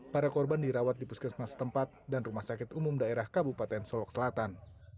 para korban dirawat di puskesmas tempat dan rumah sakit umum daerah kabupaten solok selatan